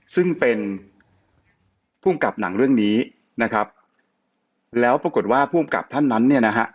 ซึ่งเป็นภูมิกับหนังเรื่องนี้นะครับแล้วปรากฏว่าภูมิกับท่านนั้นเนี่ยนะฮะ